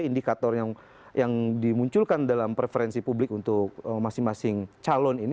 indikator yang dimunculkan dalam preferensi publik untuk masing masing calon ini